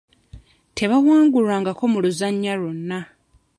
Tebawangulwangako mu luzannya lwonna.